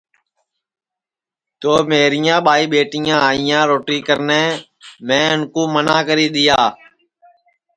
تو میریاں ٻائی ٻیٹیاں آئیاں روٹی کرنے میں اُن کُو منا کری دؔیا